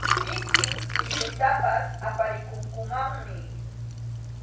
Llipin mikhuytapas aparikunkumanmi.